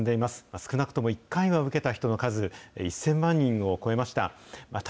少なくとも１回は受けた人の数、１０００万人を超えました。